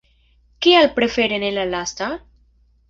Kial prefere ne la lasta?